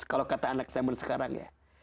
kalau kata anak zaman sekarang ya